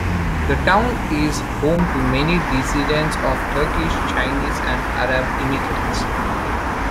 The town is home to many descendants of Turkish, Chinese, and Arab immigrants.